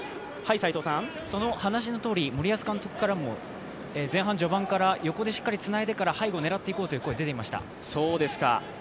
その話のとおり、森保監督からも前半、序盤から横でしっかりつないでから背後を狙っていこうという声が出ていました。